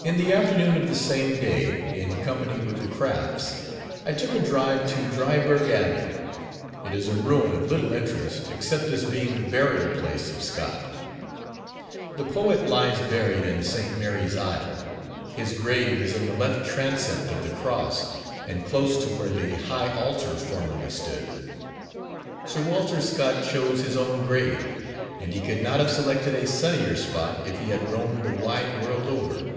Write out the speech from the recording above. In the afternoon of the same day, in company with the Crafts, I took a drive to Dryburgh Abbey. It is a ruin of little interest, except as being the burial place of Scott. The poet lies buried in St. Mary's Aisle. His grave is in the left transept of the cross, and close to where the high altar formerly stood. Sir Walter Scott chose his own grave, and he could not have selected a sunnier spot if he had roamed the wide world over.